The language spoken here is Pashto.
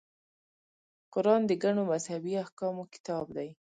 قران د ګڼو مذهبي احکامو کتاب دی.